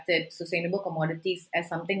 komoditas berkelanjutan sebagai sesuatu yang